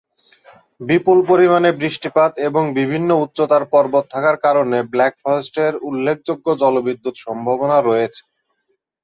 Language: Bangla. বিপুল পরিমাণে বৃষ্টিপাত এবং বিভিন্ন উচ্চতার পর্বত থাকার কারণে ব্ল্যাক ফরেস্টের উল্লেখযোগ্য জলবিদ্যুৎ সম্ভাবনা রয়েছে।